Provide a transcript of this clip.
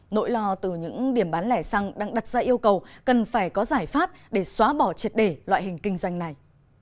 nỗi lo từ những điểm bán lẻ xăng đang đặt ra yêu cầu cần phải có giải pháp để xóa bỏ triệt để loại hình kinh doanh này